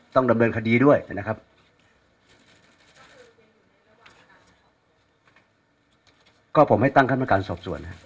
ต้องดำเนินคดีด้วยนะครับ